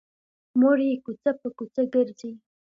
مور یې کوڅه په کوڅه ګرځي